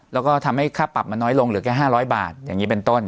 แล้วก็ทำให้ค่าปรับมันน้อยลงเหลือแค่๕๐๐บาทอย่างนี้เป็นต้น